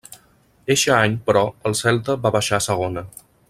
Eixe any, però, el Celta va baixar a Segona.